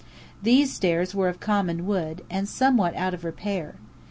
These stairs were of common wood, and somewhat out of repair.